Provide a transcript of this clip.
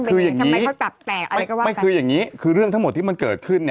คืออย่างนี้ไม่คืออย่างงี้คือเรื่องทั้งหมดที่มันเกิดขึ้น